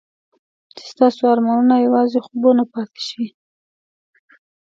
چې ستاسو ارمانونه یوازې خوبونه پاتې شي.